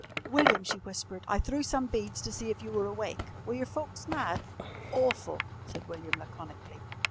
"William," she whispered, "I threw some beads to see if you were awake. Were your folks mad?" "Awful," said William laconically.